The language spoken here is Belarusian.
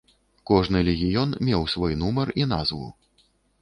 Кожны легіён меў свой нумар і назву.